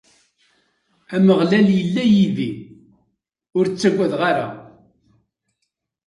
Ameɣlal illa yid-i, ur ttaggadeɣ ara.